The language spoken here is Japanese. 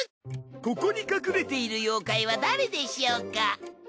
ここに隠れている妖怪は誰でしょうか？